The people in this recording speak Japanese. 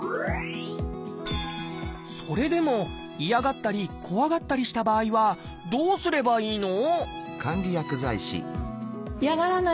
それでも嫌がったり怖がったりした場合はどうすればいいの？